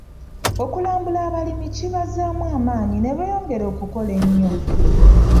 Okulambula abalimi kibazzaamu amaanyi ne beeyongera okukola ennyo.